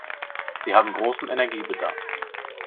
Sie haben großen Energiebedarf.